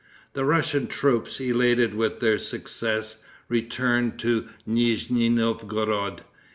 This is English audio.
The Russian troops, elated with their success, returned to Nizni Novgorod.